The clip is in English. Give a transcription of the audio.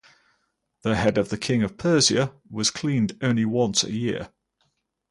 The head of the king of Persia was cleaned only once a year.